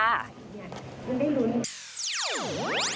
มันได้รุ้น